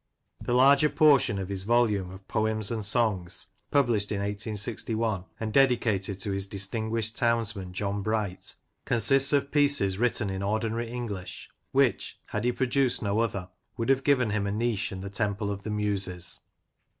The larger portion of his volume of " Poems and Songs," Edwin Waugh. 27 published in 186 1, and dedicated to his distinguished towns man John Bright, consists of pieces written in ordinary English, which, had he produced no other, would have given him a niche in the Temple of the Muses.